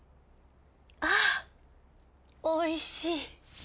あおいしい。